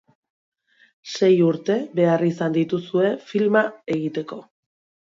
Sei urte behar izan dituzue filma egiteko.